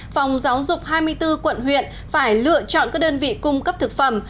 phòng giáo dục hai mươi bốn quận huyện phải lựa chọn các đơn vị cung cấp thực phẩm